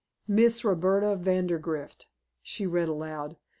"Miss Roberta Vandergrift," she read aloud.